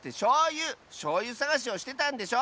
しょうゆさがしをしてたんでしょ！